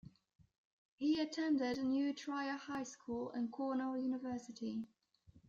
He attended New Trier High School and Cornell University.